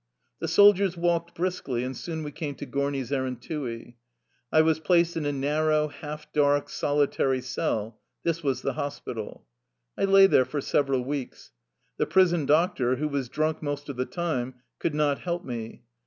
The soldiers walked briskly, and soon we came to Gorni Zerentui. I was placed in a narrow, half dark, solitary cell — this was the hospital. I lay there for several weeks. The prison doc tor, who was drunk most of the time, could not help me.